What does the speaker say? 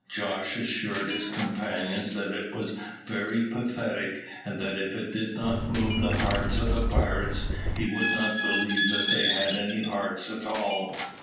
Jos assured his companions that it was very pathetic, and that if it did not move the hearts of the pirates he would not believe that they had any hearts at all.